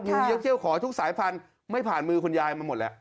เลี้ยเขี้ยวขอทุกสายพันธุ์ไม่ผ่านมือคุณยายมาหมดแล้ว